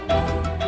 nih aku tidur